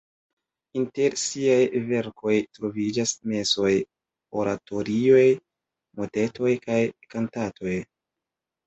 Inter siaj verkoj troviĝas mesoj, oratorioj, motetoj kaj kantatoj.